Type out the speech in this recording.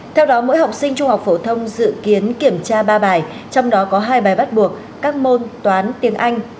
theo đó mỗi học sinh trung học phổ thông dự kiến kiểm tra ba bài trong đó có hai bài bắt buộc các môn toán tiếng anh